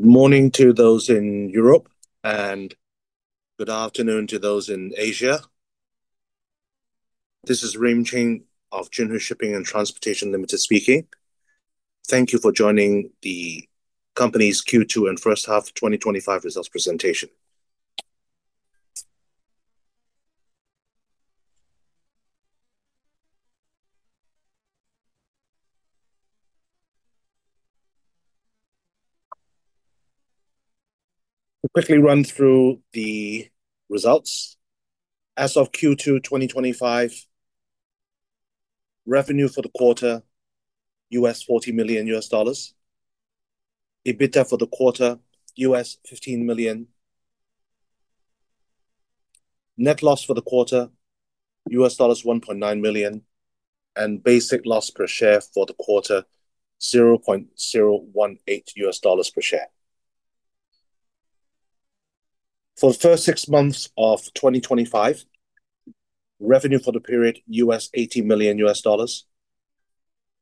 Good morning to those in Europe and good afternoon to those in Asia. This is Wei Ching of Jinhui Shipping and Transportation Limited speaking. Thank you for joining the company's Q2 and first half 2025 Results Presentation. We'll quickly run through the results. As of Q2 2025, revenue for the quarter: $40 million. EBITDA for the quarter: $15 million. Net loss for the quarter: $1.9 million. Basic loss per share for the quarter: $0.018 per share. For the first six months of 2025, revenue for the period: $80 million.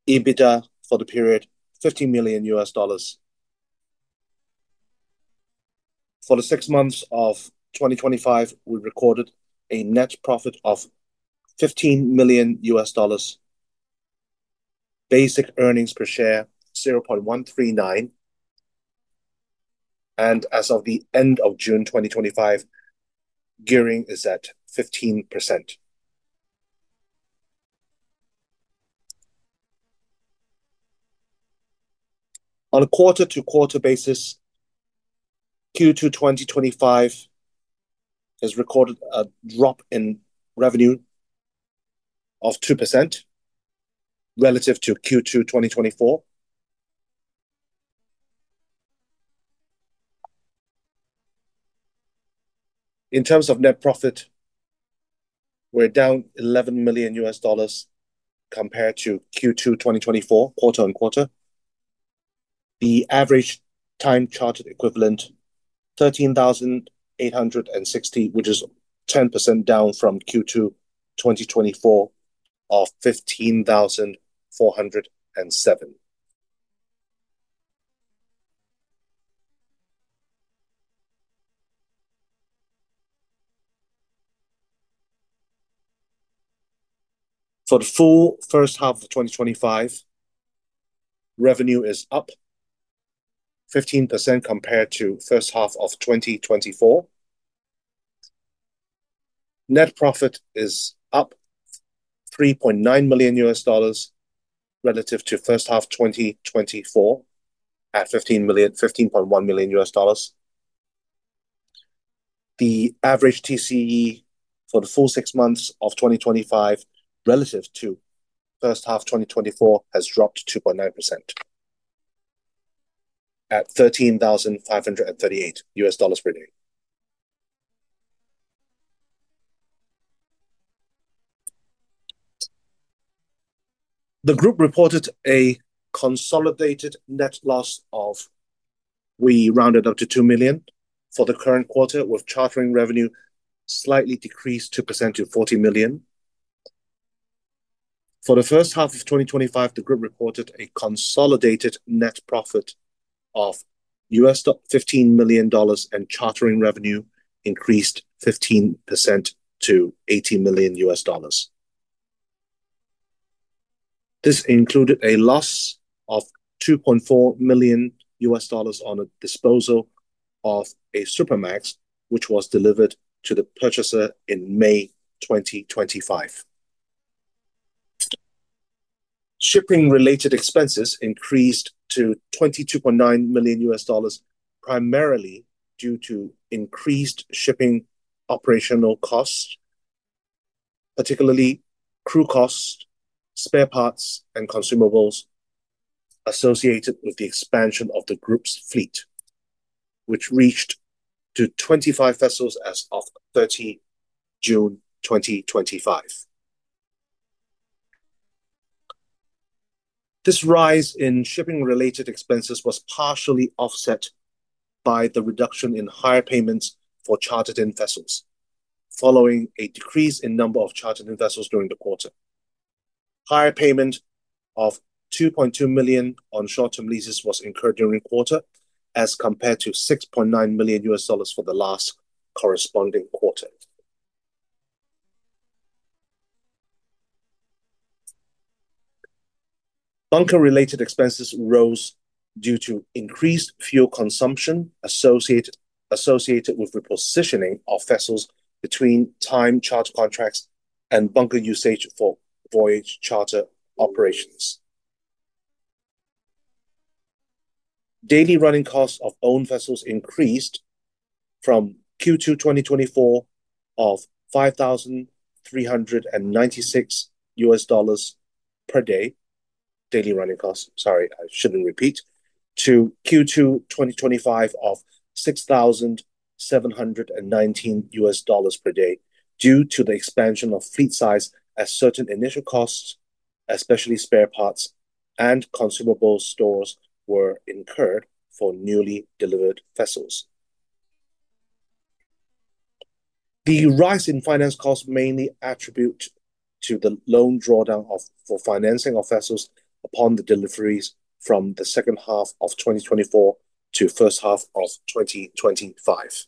EBITDA for the period: $50 million. For the six months of 2025, we recorded a net profit of $15 million. Basic earnings per share: $0.139. As of the end of June 2025, gearing is at 15%. On a quarter-to-quarter basis, Q2 2025 has recorded a drop in revenue of 2% relative to Q2 2024. In terms of net profit, we're down $11 million compared to Q2 2024, quarter-on-quarter. The average time charter equivalent is $13,860, which is 10% down from Q2 2024 of $15,407. For the full first half of 2025, revenue is up 15% compared to first half of 2024. Net profit is up $3.9 million relative to first half 2024 at $15.1 million. The average TCE for the full six months of 2025 relative to first half 2024 has dropped 2.9% at $13,538/day. The group reported a consolidated net loss of $2 million for the current quarter, with chartering revenue slightly decreased 2% to $40 million. For the first half of 2025, the group reported a consolidated net profit of $15 million and chartering revenue increased 15% to $80 million. This included a loss of $2.4 million on a disposal of a Supramax, which was delivered to the purchaser in May 2025. Shipping-related expenses increased to $22.9 million primarily due to increased shipping operational costs, particularly crew costs, spare parts, and consumables associated with the expansion of the group's fleet, which reached 25 vessels as of 30, June 2025. This rise in shipping-related expenses was partially offset by the reduction in hire payments for chartered-in vessels, following a decrease in the number of chartered-in vessels during the quarter. Higher payment of $2.2 million on short-term leases was increased during the quarter, as compared to $6.9 million for the last corresponding quarter. Bunker-related expenses rose due to increased fuel consumption associated with repositioning of vessels between time charter contracts and bunker usage for voyage charter operations. Daily running costs of owned vessels increased from Q2 2024 of $5,396/day, daily running costs, Q2 2025 of $6,719/day due to the expansion of fleet size as certain initial costs, especially spare parts and consumables stores, were incurred for newly delivered vessels. The rise in finance costs mainly attributes to the loan drawdown for financing of vessels upon the deliveries from the second half of 2024 to the first half of 2025.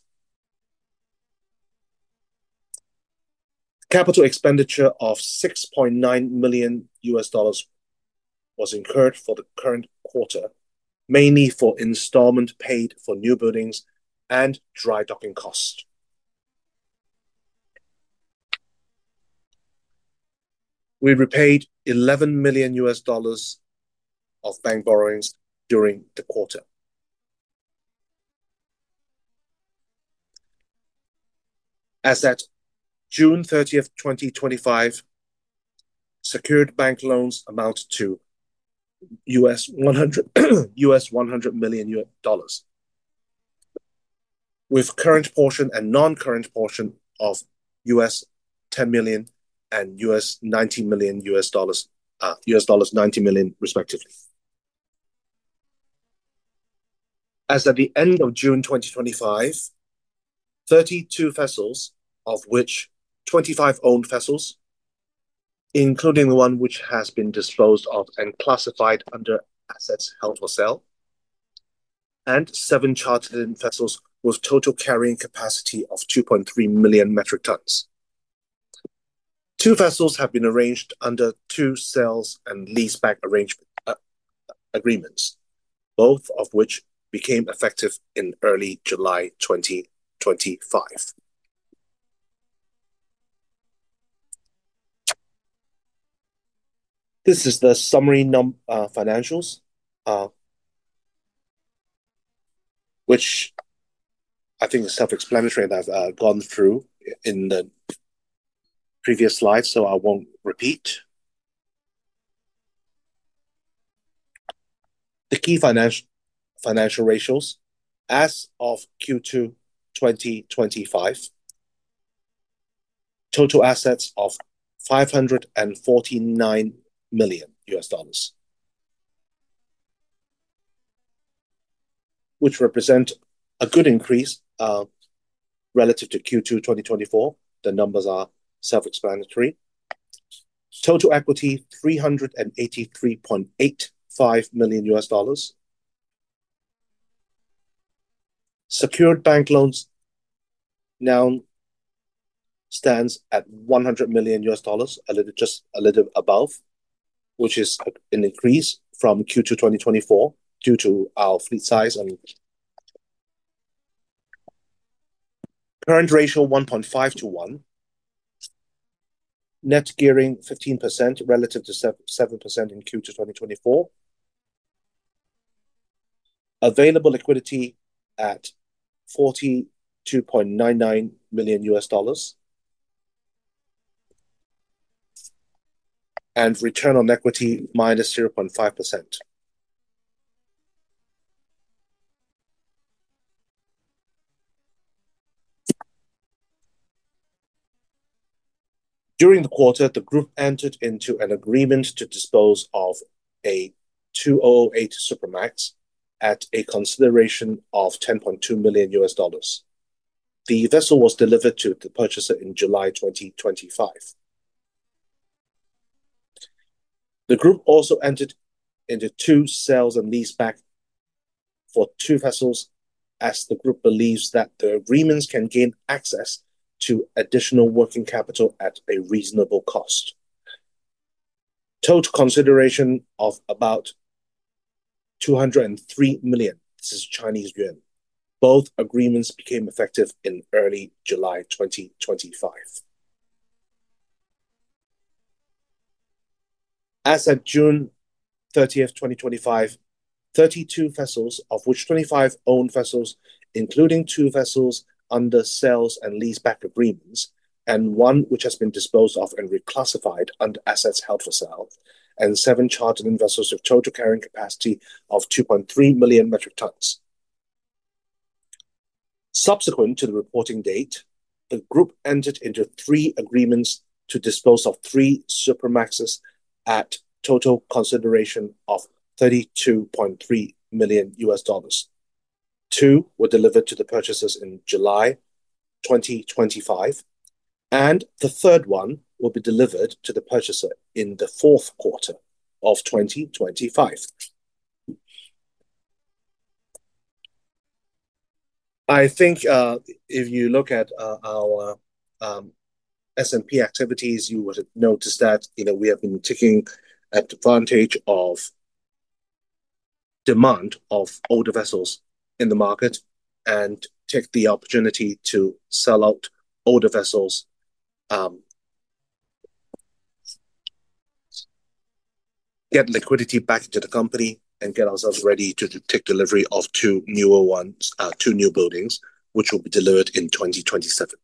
Capital expenditure of $6.9 million was incurred for the current quarter, mainly for installment paid for new buildings and dry docking costs. We repaid $11 million of bank borrowings during the quarter. As at June 30, 2025, secured bank loans amount to $100 million, with current portion and non-current portion of $10 million and $19 million, respectively. As at the end of June 2025, 32 vessels, of which 25-owned vessels, including the one which has been disposed of and classified under assets held for sale, and seven chartered-in vessels with total carrying capacity of 2.3 million metric tons. Two vessels have been arranged under two sales and leaseback agreements, both of which became effective in early July 2025. This is the summary financials, which I think is self-explanatory. I've gone through in the previous slides, so I won't repeat. The key financial ratios as of Q2 2025, total assets of $549 million, which represent a good increase relative to Q2 2024. The numbers are self-explanatory. Total equity $383.85 million. Secured bank loans now stand at $100 million, a little above, which is an increase from Q2 2024 due to our fleet size. Current ratio 1.5 to 1. Net gearing 15% relative to 7% in Q2 2024. Available liquidity at $42.99 million and return on equity minus 0.5%. During the quarter, the group entered into an agreement to dispose of a 208 Supramax at a consideration of $10.2 million. The vessel was delivered to the purchaser in July 2025. The group also entered into two sales and leaseback for two vessels as the group believes that the agreements can gain access to additional working capital at a reasonable cost. Total consideration of about 203 million. This is Chinese yuan. Both agreements became effective in early July 2025. As at June 30, 2025, 32 vessels, of which 25-owned vessels, including two vessels under sales and leaseback agreements and one which has been disposed of and reclassified under assets held for sale, and seven chartered-in vessels with total carrying capacity of 2.3 million metric tons. Subsequent to the reporting date, the group entered into three agreements to dispose of three Supramax vessels at total consideration of $32.3 million. Two were delivered to the purchasers in July 2025, and the third one will be delivered to the purchaser in the fourth quarter of 2025. I think if you look at our S&P activities, you would notice that we have been taking advantage of demand of older vessels in the market and take the opportunity to sell out older vessels, get liquidity back to the company, and get ourselves ready to take delivery of two newer ones, two new buildings, which will be delivered in 2027.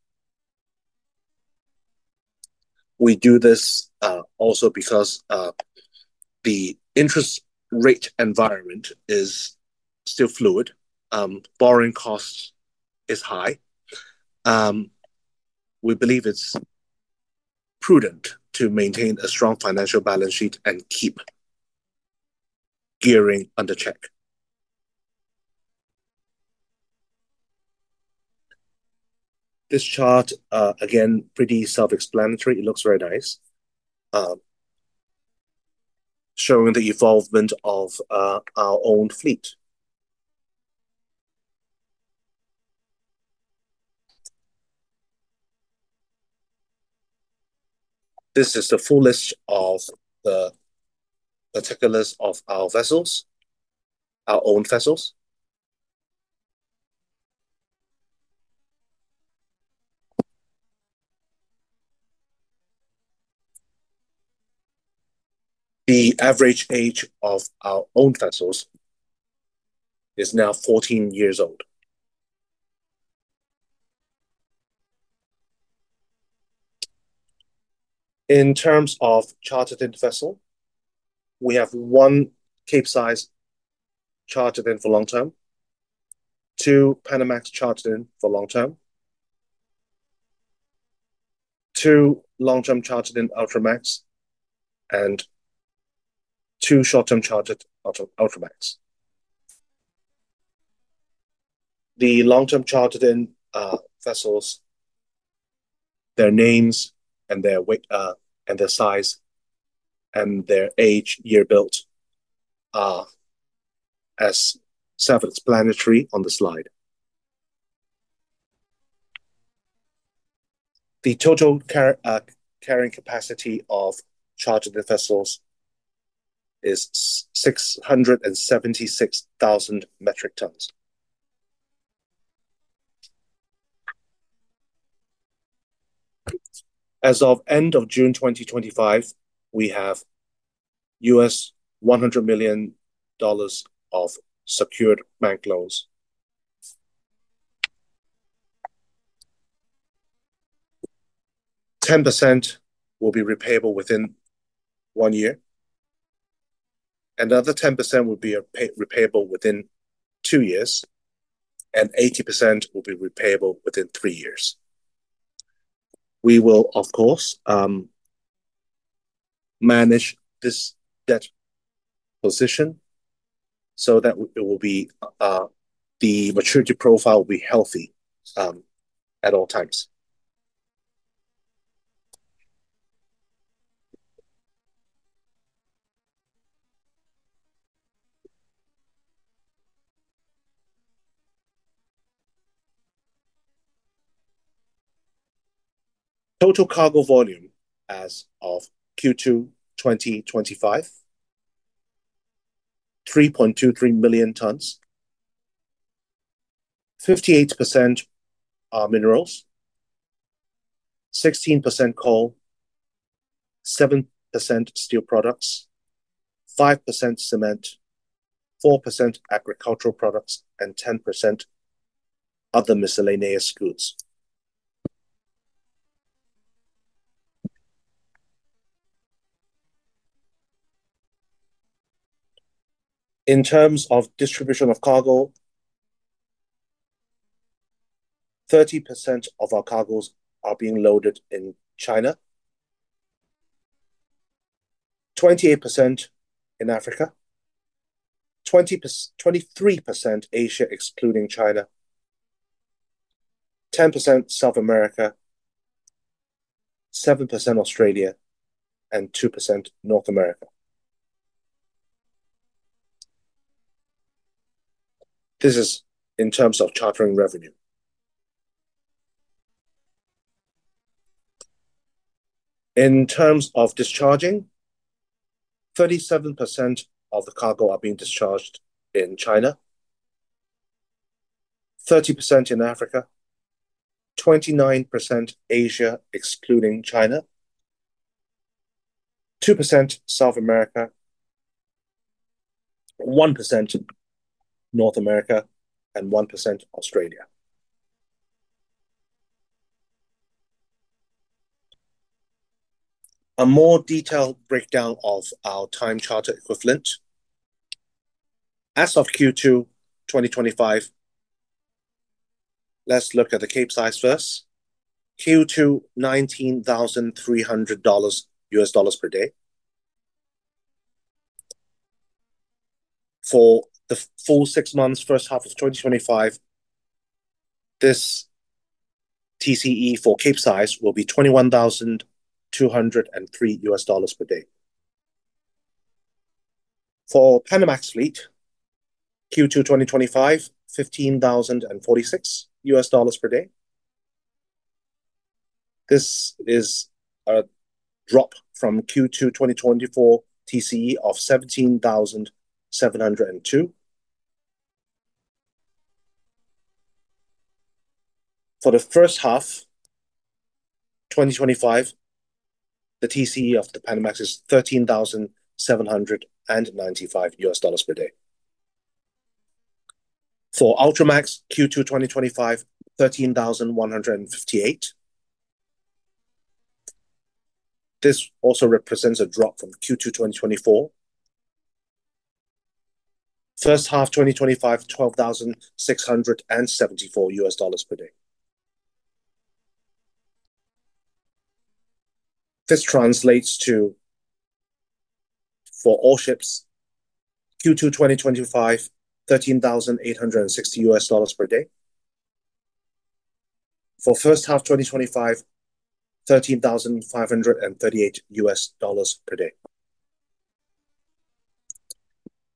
We do this also because the interest rate environment is still fluid. Borrowing costs are high. We believe it's prudent to maintain a strong financial balance sheet and keep gearing under check. This chart, again, pretty self-explanatory. It looks very nice, showing the evolvement of our owned fleet. This is a full list of the particulars of our vessels, our owned vessels. The average age of our owned vessels is now 14 years old. In terms of chartered-in vessel, we have one Capesize chartered in for long term, two Panamax chartered in for long term, two long-term chartered-in Ultramax, and two short-term chartered-in Ultramax. The long-term chartered-in vessels, their names and their weight and their size and their age, year built, are self-explanatory on the slide. The total carrying capacity of chartered-in vessels is 676,000 metric tons. As of end of June 2025, we have $100 million of secured bank loans. 10% will be repayable within one year. Another 10% will be repayable within two years, and 80% will be repayable within three years. We will, of course, manage this debt position so that it will be, the maturity profile will be healthy, at all times. Total cargo volume as of Q2 2025, 3.23 million tons, 58% are minerals, 16% coal, 7% steel products, 5% cement, 4% agricultural products, and 10% other miscellaneous goods. In terms of distribution of cargo, 30% of our cargoes are being loaded in China, 28% in Africa, 23% Asia, excluding China, 10% South America, 7% Australia, and 2% North America. This is in terms of chartering revenue. In terms of discharging, 37% of the cargo are being discharged in China, 30% in Africa, 29% Asia, excluding China, 2% South America, 1% North America, and 1% Australia. A more detailed breakdown of our time charter equivalent. As of Q2 2025, let's look at the Capesize first. Q2, $19,300/day. For the full six months, first half of 2025, this TCE for Cape Size will be $21,203/day. For Panamax fleet, Q2 2025, $15,046/day. This is a drop from Q2 2024 TCE of $17,702. For the first half 2025, the TCE of the Panamax is $13,795/day. For Ultramax, Q2 2025, $13,158. This also represents a drop from Q2 2024. First half 2025, $12,674/day. This translates to for all ships, Q2 2025, $13,860/day. For first half 2025, $13,538/day.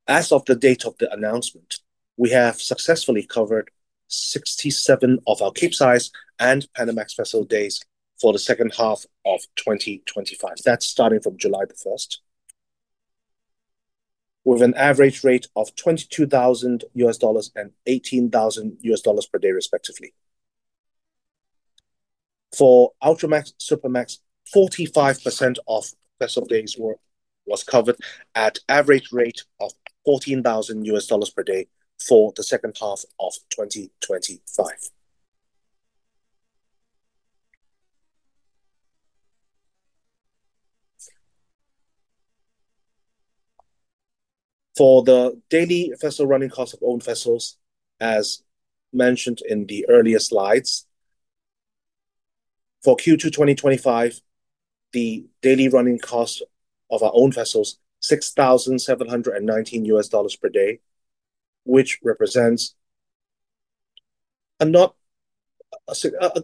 As of the date of the announcement, we have successfully covered 67% of our Capesize and Panamax vessel days for the second half of 2025. That's starting from July 1, with an average rate of $22,000 and $18,000/day, respectively. For Ultramax, Supramax, 45% of vessel days were covered at an average rate of $14,000/day for the second half of 2025. For the daily vessel running cost of owned vessels, as mentioned in the earlier slides, for Q2 2025, the daily running cost of our owned vessels, $6,719/day, which represents a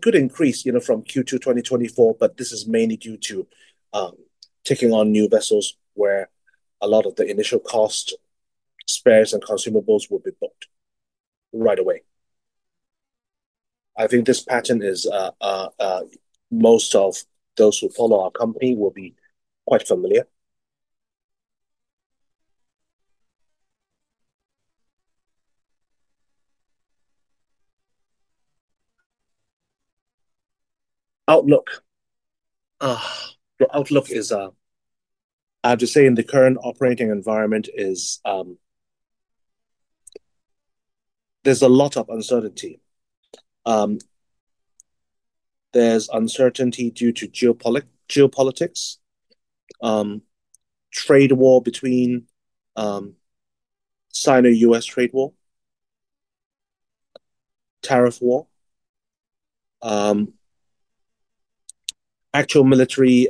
good increase from Q2 2024, but this is mainly due to taking on new vessels where a lot of the initial cost, spares, and consumables will be bought right away. I think this pattern is, most of those who follow our company will be quite familiar. Outlook. The outlook is, I have to say in the current operating environment, there's a lot of uncertainty. There's uncertainty due to geopolitics, trade war between, China-U.S. trade war, tariff war, actual military,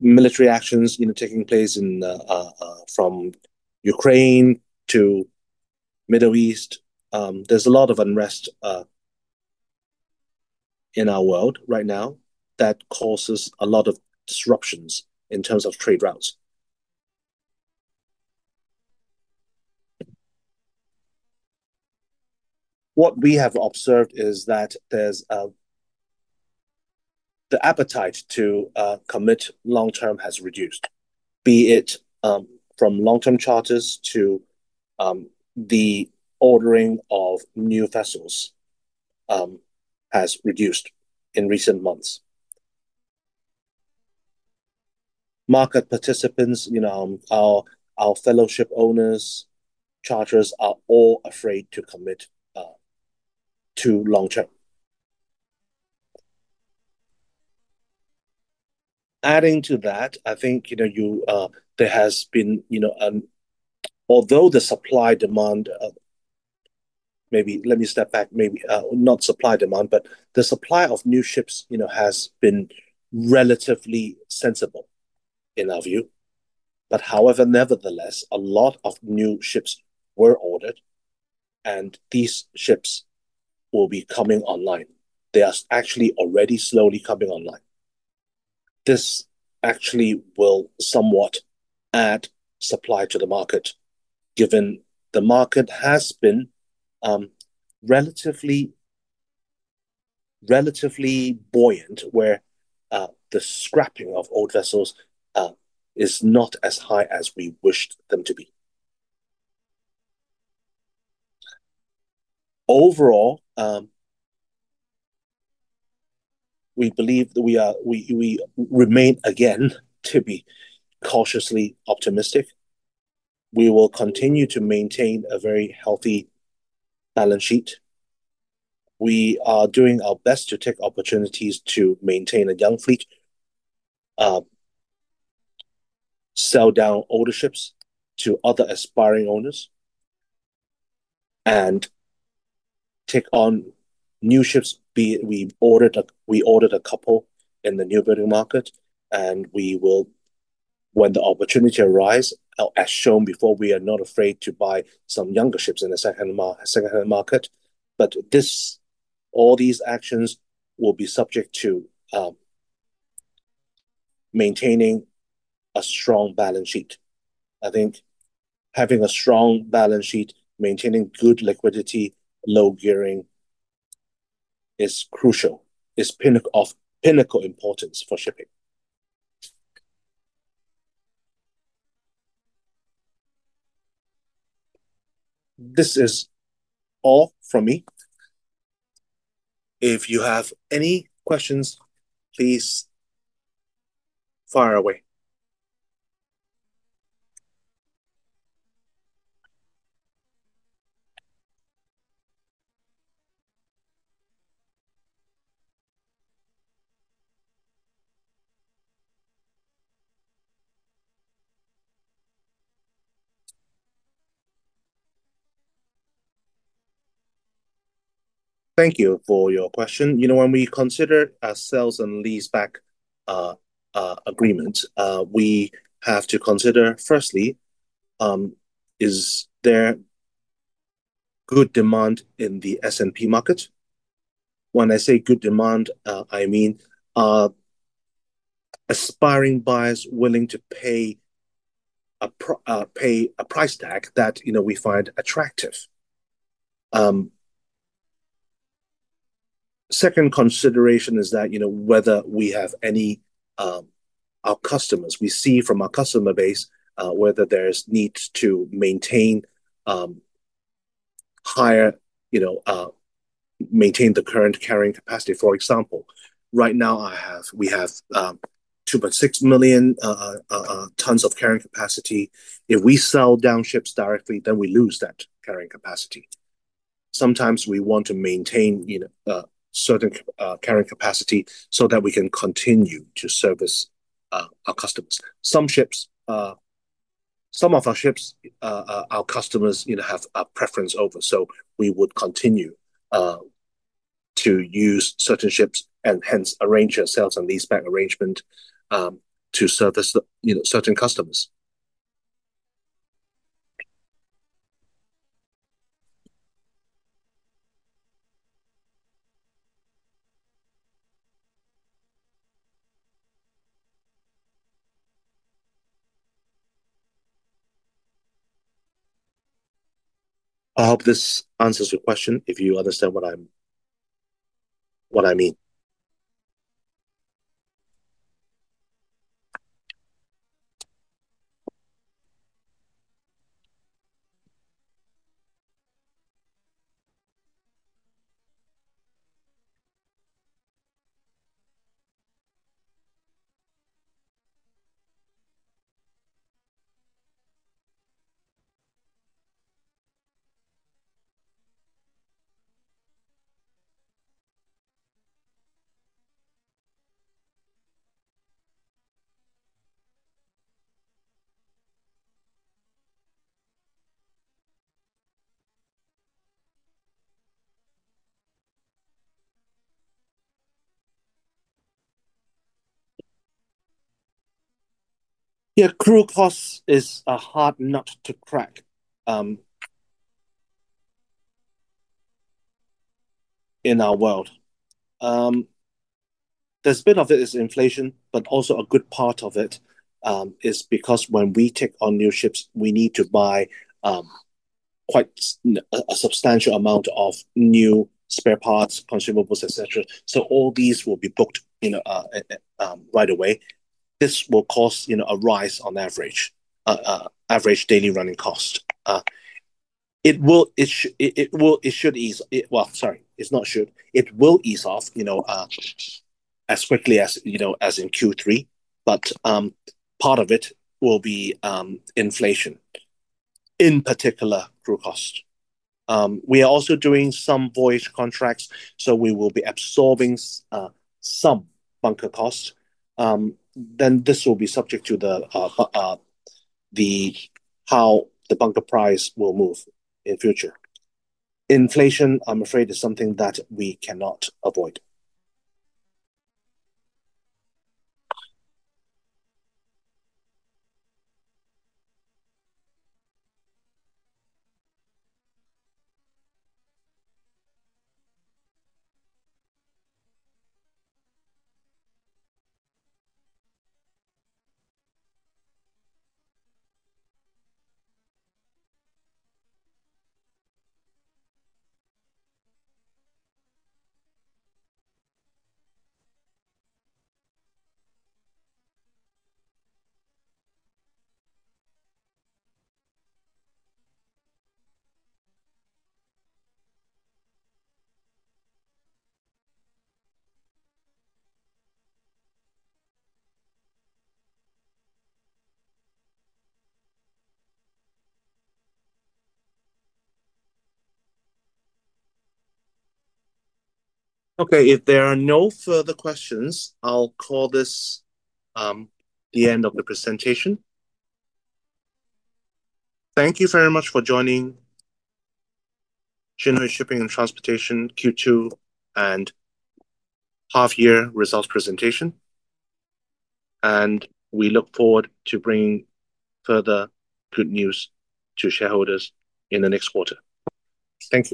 military actions taking place in, from Ukraine to the Middle East. There's a lot of unrest in our world right now that causes a lot of disruptions in terms of trade routes. What we have observed is that the appetite to commit long term has reduced, be it from long-term charters to the ordering of new vessels, has reduced in recent months. Market participants, our fellowship owners, charters are all afraid to commit to long term. Adding to that, I think there has been, although the supply-demand, maybe let me step back, maybe not supply-demand, but the supply of new ships has been relatively sensible in our view. However, nevertheless, a lot of new ships were ordered, and these ships will be coming online. They are actually already slowly coming online. This actually will somewhat add supply to the market, given the market has been relatively buoyant, where the scrapping of old vessels is not as high as we wished them to be. Overall, we believe that we remain again to be cautiously optimistic. We will continue to maintain a very healthy balance sheet. We are doing our best to take opportunities to maintain a young fleet, sell down older ships to other aspiring owners, and take on new ships. We ordered a couple in the new building market, and we will, when the opportunity arises, as shown before, we are not afraid to buy some younger ships in the secondhand market. All these actions will be subject to maintaining a strong balance sheet. I think having a strong balance sheet, maintaining good liquidity, low gearing is crucial. It's of pinnacle importance for shipping. This is all from me. If you have any questions, please fire away. Thank you for your question. You know, when we consider a sales and leaseback agreement, we have to consider firstly, is there good demand in the S&P market? When I say good demand, I mean aspiring buyers willing to pay a price tag that, you know, we find attractive. Second consideration is that, you know, whether we have any, our customers, we see from our customer base whether there's need to maintain higher, you know, maintain the current carrying capacity. For example, right now, we have 2.6 million tons of carrying capacity. If we sell down ships directly, then we lose that carrying capacity. Sometimes we want to maintain certain carrying capacity so that we can continue to service our customers. Some ships, some of our ships, our customers, you know, have a preference over, so we would continue to use certain ships and hence arrange a sales and leaseback arrangement to service certain customers. I hope this answers your question if you understand what I mean. Yeah, crew costs are a hard nut to crack in our world. There's been a bit of inflation, but also a good part of it is because when we take on new ships, we need to buy quite a substantial amount of new spare parts, consumables, etc. All these will be booked right away. This will cause a rise on average, average daily running cost. It will, it should ease. Sorry, it's not should. It will ease off as quickly as in Q3. Part of it will be inflation, in particular crew costs. We are also doing some voyage contracts, so we will be absorbing some bunker costs. This will be subject to how the bunker price will move in the future. Inflation, I'm afraid, is something that we cannot avoid. Okay. If there are no further questions, I'll call this the end of the presentation. Thank you very much for joining Jinhui Shipping and Transportation Q2 and half-year Results Presentation. We look forward to bringing further good news to shareholders in the next quarter. Thank you.